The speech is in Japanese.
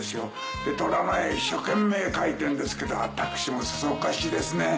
でトラの絵一生懸命描いてんですけど私もそそっかしいですね。